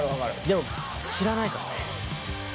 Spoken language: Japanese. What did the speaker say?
でも知らないからね。